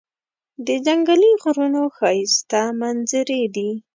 د ځنګلي غرونو ښایسته منظرې دي.